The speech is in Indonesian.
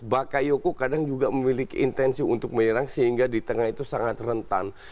bakayoku kadang juga memiliki intensi untuk menyerang sehingga di tengah itu sangat rentan